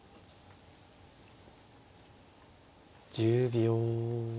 １０秒。